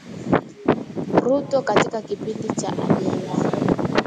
Ruto katika kipindi cha Ajenda